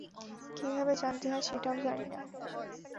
কীভাবে জানতে হয় সেটাও জানি না।